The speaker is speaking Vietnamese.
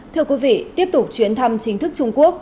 thưa quý vị tiếp tục chuyến thăm chính thức trung quốc